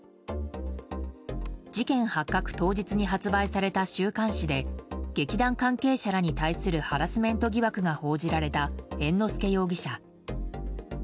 事件当日に発売された週刊誌で劇団関係者らに対するハラスメント疑惑が報じられた猿之助容疑者。